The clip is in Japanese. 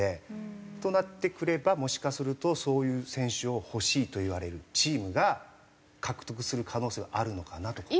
となってくればもしかするとそういう選手を欲しいと言われるチームが獲得する可能性はあるのかなとか。